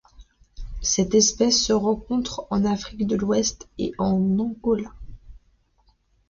Cette espèce se rencontre en Afrique de l'Ouest et en Angola.